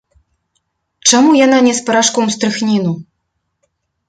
Чаму яна не з парашком стрыхніну?